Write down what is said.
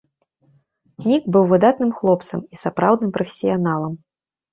Нік быў выдатным хлопцам і сапраўдным прафесіяналам.